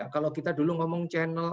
kalau kita dulu ngomong channel